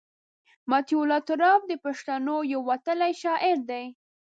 مطیع الله تراب د پښتنو یو وتلی شاعر دی.